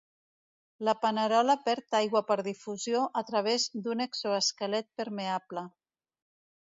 La panerola perd aigua per difusió a través d'un exosquelet permeable.